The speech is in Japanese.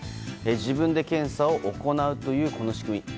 自分で検査を行うというこの仕組み。